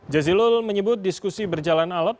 jazilul menyebut diskusi berjalan alat